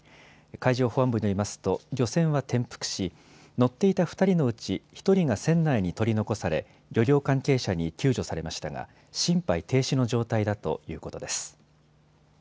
海上保安部によりますと漁船は転覆し、乗っていた２人のうち１人が船内に取り残され漁業関係者に救助されましたが心肺停止の状態だということです。